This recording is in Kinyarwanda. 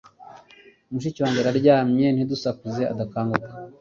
Mushiki wanjye araryamye ntidusakuze adakanguka